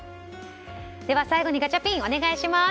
最後にガチャピンお願いします。